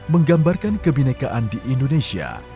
menggambarkan kebinekaan di indonesia